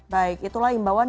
baik itulah himboan